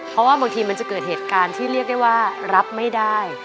เพราะว่าบางทีมันจะเกิดเหตุการณ์ที่เรียกได้ว่ารับไม่ได้